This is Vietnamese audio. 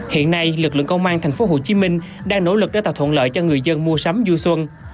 hiện nay lực lượng công an tp hcm đang nỗ lực để tạo thuận lợi cho người dân mua sắm du xuân